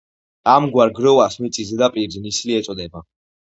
ამგვარ გროვას მიწის ზედაპირზე ნისლი ეწოდება.